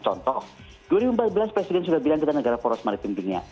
contoh dua ribu empat belas presiden sudah bilang kita negara poros maritim dunia